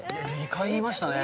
２回言いましたね。